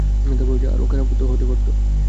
আরও খারাপ হতে পারত।